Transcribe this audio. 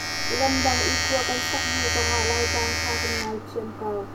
Ramdang i khua kan sak hnu zongah Laitlang kan ngai ṭhiam ko.